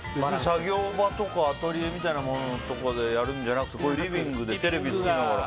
作業場とかアトリエとかでやるんじゃなくてリビングでテレビつけながら。